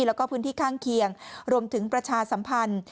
แล้วก็พื้นที่ข้างเคียงรวมถึงประชาสัมพันธ์